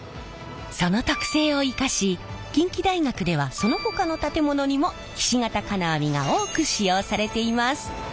その特性を生かし近畿大学ではそのほかの建物にもひし形金網が多く使用されています。